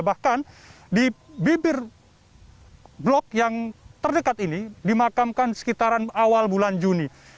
bahkan di bibir blok yang terdekat ini dimakamkan sekitaran awal bulan juni